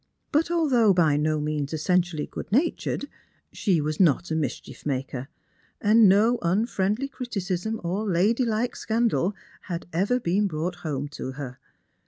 But although by 710 means p.^sentially good natured, she was not a mischief maker, and 1,0 unfriendly criticism or lady like scandal had ever been brought home to her.